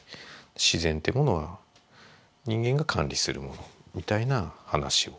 自然ってものは人間が管理するものみたいな話をされて。